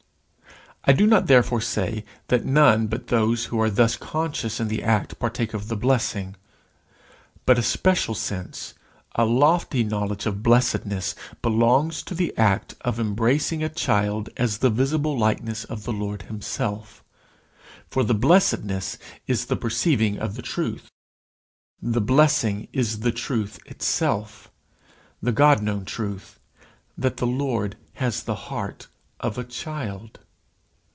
I do not therefore say that none but those who are thus conscious in the act partake of the blessing. But a special sense, a lofty knowledge of blessedness, belongs to the act of embracing a child as the visible likeness of the Lord himself. For the blessedness is the perceiving of the truth the blessing is the truth itself the God known truth, that the Lord has the heart of a child.